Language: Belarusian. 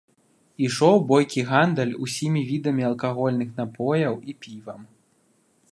Ішоў бойкі гандаль усімі відамі алкагольных напояў і півам.